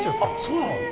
そうなの？